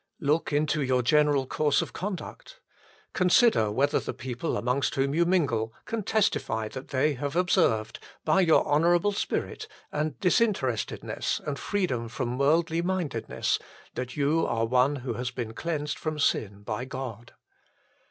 Look into your general course of conduct. Consider whether the people amongst whom you mingle can testify that they have observed, by your honourable spirit and disinterestedness and freedom from worldly mindedness, that you are one who has been cleansed from sin by God.